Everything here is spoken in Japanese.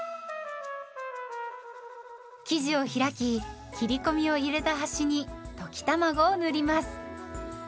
生地を開き切り込みを入れた端に溶き卵を塗ります。